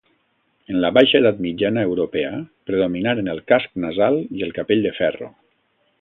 En la baixa edat mitjana europea predominaren el casc nasal i el capell de ferro.